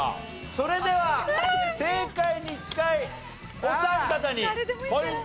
それでは正解に近いお三方にポイントを差し上げます。